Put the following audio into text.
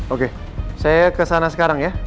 oke saya kesana sekarang ya